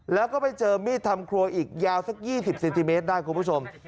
แล้วก็ไปเจอมีดทำครัวอีกยาวสัก๒๐เซนติเมตรได้คุณผู้ชม